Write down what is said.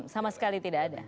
sama sekali tidak ada